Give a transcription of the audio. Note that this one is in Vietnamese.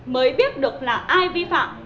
mới biết được là ai vi phạm